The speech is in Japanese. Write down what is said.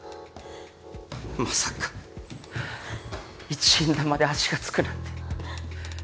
まさか一円玉で足が付くなんて。